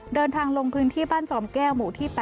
เดินทางลงพื้นที่บ้านจอมแก้วหมู่ที่๘